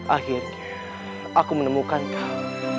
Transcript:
akhirnya aku menemukan kau